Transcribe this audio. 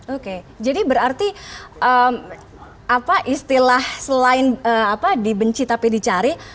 oke jadi berarti apa istilah selain dibenci tapi dicari